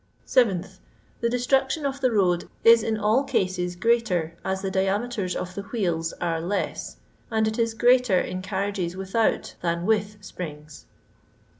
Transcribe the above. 7th. The destruction of the road is in all casea greater, as the diameters of the wheels are less, and it is greater in carriages without than with springs.